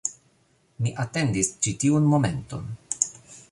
Mi atendis ĉi tiun momenton